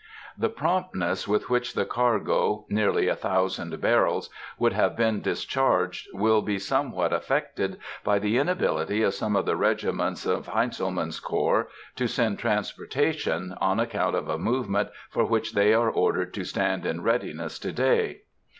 ... The promptness with which the cargo—nearly a thousand barrels—would have been discharged, will be somewhat affected by the inability of some of the regiments of Heintzelman's corps to send transportation, on account of a movement for which they are ordered to stand in readiness to day....